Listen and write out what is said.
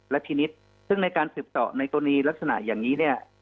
และทีนิดซึ่งในการสืบสอร์ในกรณีลักษณะอย่างนี้